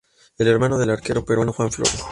Es hermano del arquero peruano Juan Flores.